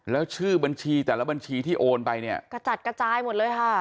แล้วชื่อบัญชีแต่ละบัญชีที่โอนไปเนี่ยกระจัดกระจายหมดเลยค่ะ